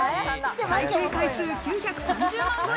再生回数９３０万超え！